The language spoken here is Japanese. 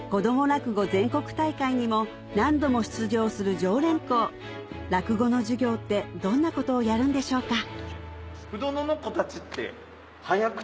落語全国大会にも何度も出場する常連校落語の授業ってどんなことをやるんでしょうか？